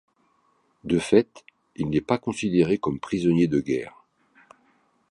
De fait, il n'est pas considéré comme prisonnier de guerre.